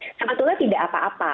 sebetulnya tidak apa apa